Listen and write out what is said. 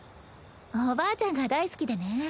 おばあちゃんが大好きでね。